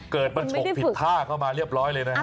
เกิดมันฉกผิดท่าเข้ามาเรียบร้อยเลยนะฮะ